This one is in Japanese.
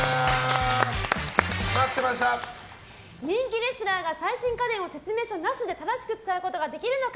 人気レスラーが最新家電を説明書なしで正しく使うことができるのか。